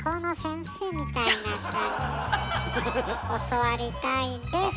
教わりたいです！